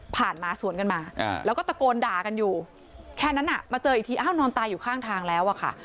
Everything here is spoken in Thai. ผ่านมาสวนกันมาแล้วก็ตะโกนด่ากันอยู่แค่นั้นมาเจออีกทีอ้าวนอนตายอยู่ข้างทางแล้วอะค่ะ